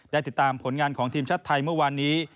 ติดตามผลงานของทีมชาติไทยเมื่อวานนี้